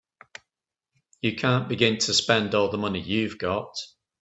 You can't begin to spend all the money you've got.